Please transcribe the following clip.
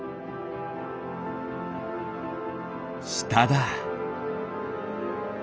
しただ。